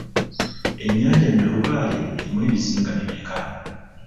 Ennyanja Nnalubaale erimu ebizinga bimmeka?